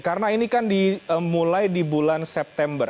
karena ini kan dimulai di bulan september